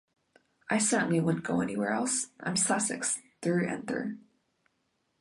I certainly wouldn't go anywhere else - I'm Sussex through and through.